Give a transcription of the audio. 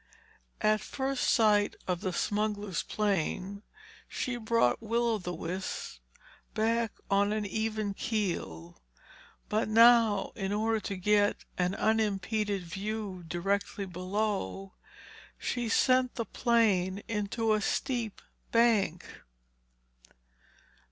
At first sight of the smuggler's plane, she brought Will o' the Wisp back on an even keel, but now in order to get an unimpeded view directly below, she sent the plane into a steep bank.